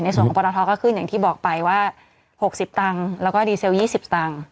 ส่วนของปรทก็ขึ้นอย่างที่บอกไปว่า๖๐ตังค์แล้วก็ดีเซล๒๐สตางค์